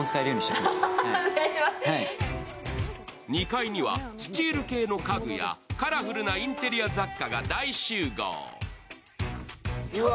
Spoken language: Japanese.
２階にはスチール系の家具やカラフルなインテリア雑貨が大集合。